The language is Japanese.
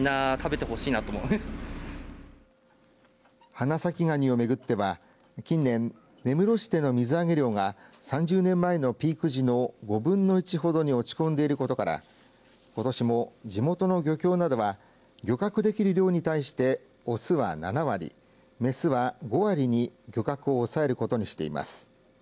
花咲ガニを巡っては近年、根室市での水揚げ量が３０年前のピーク時の５分の１ほどに落ち込んでいることからことしも地元の漁協などは漁獲できる量に対して雄は７割、雌は５割に漁獲を抑えることにしています。